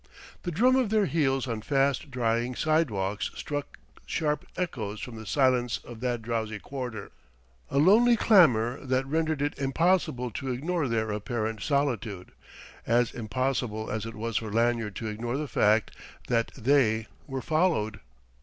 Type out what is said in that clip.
The drum of their heels on fast drying sidewalks struck sharp echoes from the silence of that drowsy quarter, a lonely clamour that rendered it impossible to ignore their apparent solitude as impossible as it was for Lanyard to ignore the fact that they were followed.